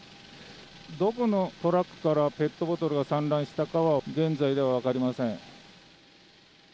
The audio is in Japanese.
どこのトラックからペットボトルが散乱したかは現在では分かりません。